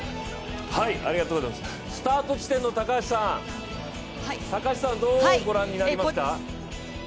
スタート地点の高橋さんはどうご覧になりました？